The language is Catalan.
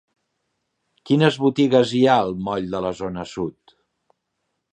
Quines botigues hi ha al moll de la Zona Sud?